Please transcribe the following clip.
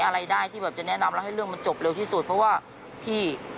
อะไรได้ที่แบบจะแนะนำแล้วให้เรื่องมันจบเร็วที่สุดเพราะว่าพี่